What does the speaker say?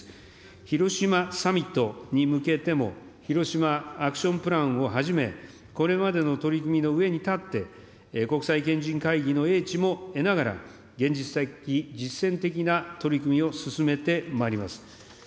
広島サミットに向けても、ヒロシマ・アクション・プランをはじめ、これまでの取り組みの上に立って、国際賢人会議の英知も得ながら、実践的な取り組みを進めてまいります。